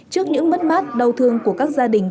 trước những mất mát đau thương của các gia đình